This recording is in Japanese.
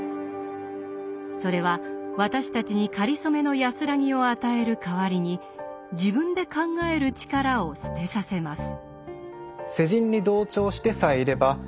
それは私たちにかりそめの安らぎを与える代わりに自分で考える力を捨てさせます。